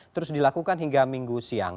terus dilakukan hingga minggu siang